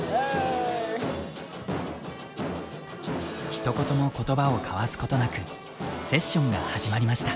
ひと言も言葉を交わすことなくセッションが始まりました。